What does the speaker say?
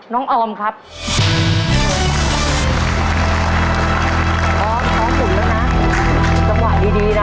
สวัสดีครับสวัสดีครับ